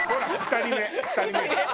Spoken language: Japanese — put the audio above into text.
２人目よ。